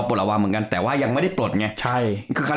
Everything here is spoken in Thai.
ปลอวัฒน์เหมือนกันแต่ว่ายังไม่ได้ปลดไงใช่คือ